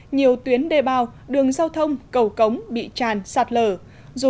nhiều tuyến đê bao đường giao thông cầu cống bị tràn sạt lở